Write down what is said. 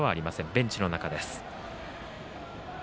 ベンチの中です。